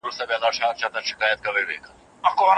په دې توګه دوی دوه چنده ګټه کوي.